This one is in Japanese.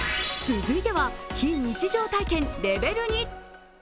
続いては、非日常体験レベル２。